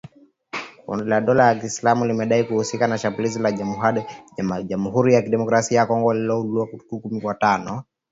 Kundi la Dola ya Kiislamu limedai kuhusika na shambulizi la Jamuhuri ya Kidemokrasia ya Kongo lililouwa watu kumi na watano